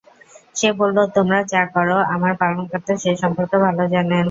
সে বলল, তোমরা যা কর, আমার পালনকর্তা সে সম্পর্কে ভাল জানেন।